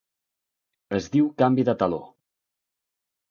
Es diu canvi de taló.